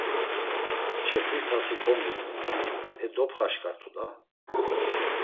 Ç̌epri tasi komiğun; e dopxaşǩatu da!